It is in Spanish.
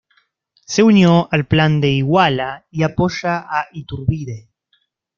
Se unió al Plan de Iguala y apoya a Iturbide.